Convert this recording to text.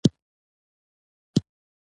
ړانده شاوخوا پر ګرځول لاسونه